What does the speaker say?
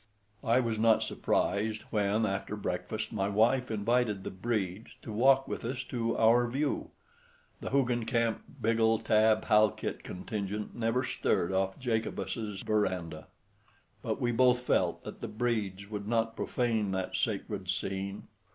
I was not surprised when, after breakfast, my wife invited the Bredes to walk with us to "our view." The Hoogencamp Biggle Tabb Halkit contingent never stirred off Jacobus's veranda; but we both felt that the Bredes would not profane that sacred scene.